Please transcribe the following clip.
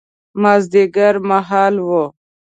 مازیګر مهال و.